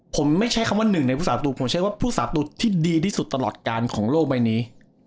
ผมไม่ใช่คำว่าหนึ่งในผู้สาตุผมใช้ว่าผู้สาตุที่ดีที่สุดตลอดการของโลกใบนี้